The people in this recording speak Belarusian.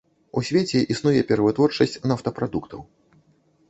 У свеце існуе перавытворчасць нафтапрадуктаў.